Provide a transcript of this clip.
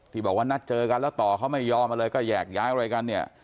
บอกว่านัดเจอกันแล้วต่อเขาไม่ยอมอะไรก็แยกย้ายอะไรกันเนี่ย